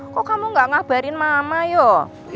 kok kamu gak ngabarin mama yuk